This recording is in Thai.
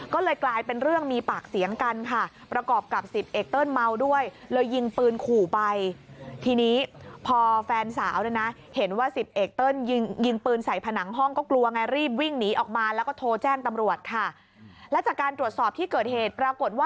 ก็เลยกลายเป็นเรื่องมีปักเสียงกันประกอบกับ๑๐เ๒๐๒๕เพื่อนเคียว